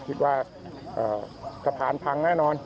คิดว่าสะพานพังแน่นอน